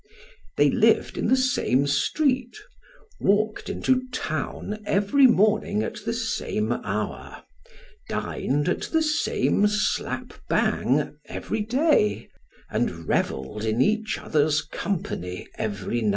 They lived in the same street, walked into town every morning at the same hour, dined at the same slap bang every day, and revelled in each other's company every night.